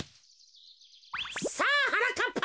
さあはなかっぱ。